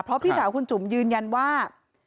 เพราะพี่สาวคุณจุ๋มยืนยันว่า